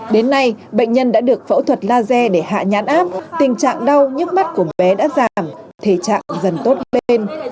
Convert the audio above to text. đến nay bệnh nhân đã được phẫu thuật laser để hạ nhãn áp tình trạng đau nhức mắt của bé đã giảm thể trạng dần tốt bên